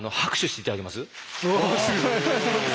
おすごい！